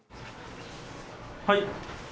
はい。